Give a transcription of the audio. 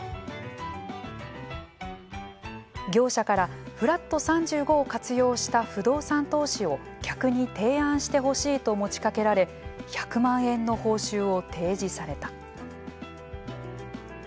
業者からフラット３５を活用した不動産投資を客に提案してほしいと持ちかけられ１００万円の報酬を提示された。